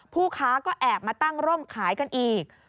ผู้ค้าก็แอบมาตั้งร่มขายกันอีก